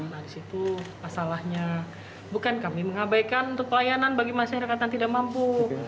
nah disitu masalahnya bukan kami mengabaikan untuk pelayanan bagi masyarakat yang tidak mampu